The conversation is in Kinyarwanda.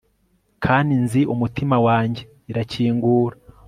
kandi nzi umutima wanjye irakingura